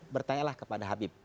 bertanyalah kepada habib